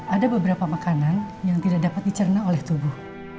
ada beberapa makanan yang tidak dapat dicerna oleh tubuh